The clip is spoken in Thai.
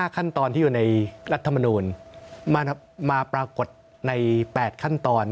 ขั้นตอนที่อยู่ในรัฐมนูลมาปรากฏใน๘ขั้นตอน